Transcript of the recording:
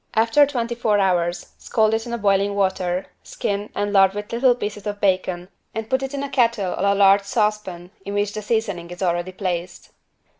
After twenty four hours, scald it in boiling water, skin and lard with little pieces of bacon and put it in a kettle or a large saucepan in which the seasoning is already placed.